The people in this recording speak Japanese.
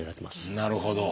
なるほど。